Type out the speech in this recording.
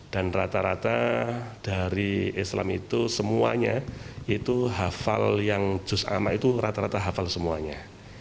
dan rata rata dari islam itu semuanya itu hafal yang juz amat itu rata rata hafal semuanya